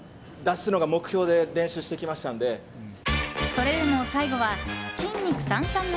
それでも、最後は筋肉三三七